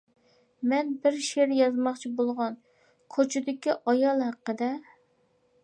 مەن بىر شېئىر يازماقچى بولغان، كوچىدىكى ئايال ھەققىدە.